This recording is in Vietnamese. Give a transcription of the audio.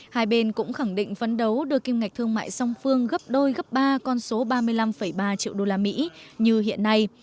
hai bên cũng khẳng định phấn đấu đưa kim ngạch thương mại song phương gấp đôi gấp ba con số ba mươi năm ba triệu đô la mỹ như hiện nay